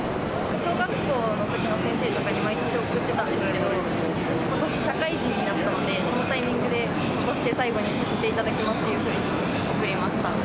小学校のときの先生とかに、毎年送ってたんですけど、ことし、社会人になったので、そのタイミングで、ことしで最後にさせていただきますというふうに送りました。